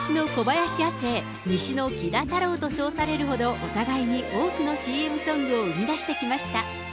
西のキダ・タローと称されるほどお互いに多くのＣＭソングを生み出してきました。